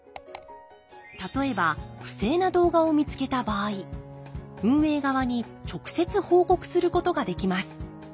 例えば不正な動画を見つけた場合運営側に直接報告することができます。